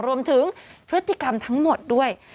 รวมถึงพฤติกรรมทั้งหมดด้วย